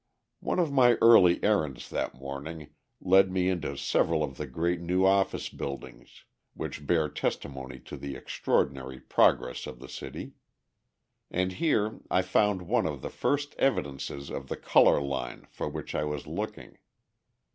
One of my early errands that morning led me into several of the great new office buildings, which bear testimony to the extraordinary progress of the city. And here I found one of the first evidences of the colour line for which I was looking.